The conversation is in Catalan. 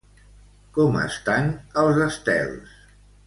Com estan els estels?